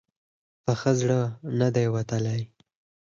په ښه زړه نه دی وتلی.